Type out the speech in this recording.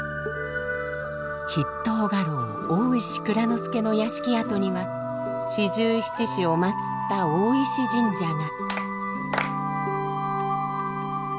筆頭家老大石内蔵助の屋敷跡には四十七士を祀った大石神社が。